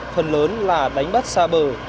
phần lớn là đánh bắt xa bờ